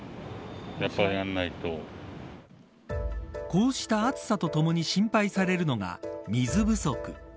こうした暑さとともに心配されるのが水不足。